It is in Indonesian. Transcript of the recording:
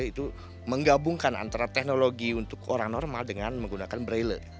itu menggabungkan antara teknologi untuk orang normal dengan menggunakan braille